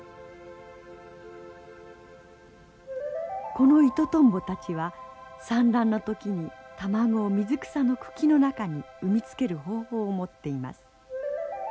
このイトトンボたちは産卵の時に卵を水草の茎の中に産み付ける方法を持っています。